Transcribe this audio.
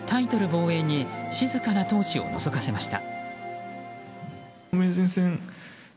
防衛に静かな闘志をのぞかせました。